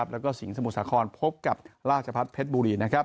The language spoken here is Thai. แล้วก็สิงสมุทรศาคอนพบกับราชพรรดิเพชรบุรี